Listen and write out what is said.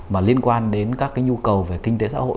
mà liên quan đến các cái nhu cầu về kinh tế xã hội